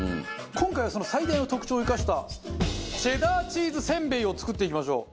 今回はその最大の特徴を生かしたチェダーチーズせんべいを作っていきましょう。